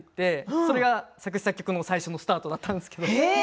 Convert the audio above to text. それが作詞・作曲のスタートだったんです。